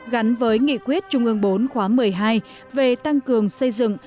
gắn với nghị quyết trung ương bốn khóa một mươi hai về tăng cường xây dựng